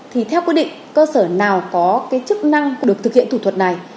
thì theo quy định cơ sở nào có cái chức năng được thực hiện thủ thuật này